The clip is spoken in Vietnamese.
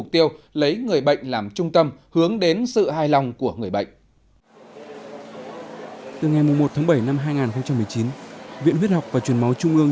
từ ngày một tháng bảy năm hai nghìn một mươi chín viện huyết học và truyền máu trung ương